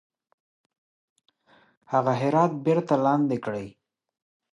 هغه هرات بیرته لاندي کړي.